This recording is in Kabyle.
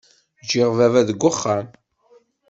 Ǧǧiɣ baba deg uxxam.